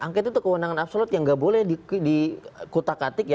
angket itu kewenangan absolut yang tidak boleh dikutak katik ya